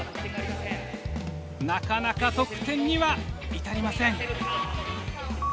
なかなか得点には至りません。